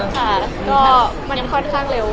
ค่ะก็มันยังค่อนข้างเร็ว